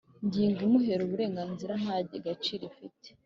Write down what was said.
ngingo imuhera uburenganzira nta gaciro ifite